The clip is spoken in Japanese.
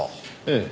ええ。